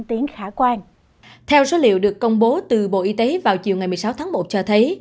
theo số liệu được công bố từ bộ y tế vào chiều ngày một mươi sáu tháng một cho thấy